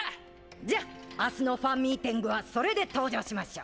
じゃ明日のファンミーティングはそれで登場しましょ。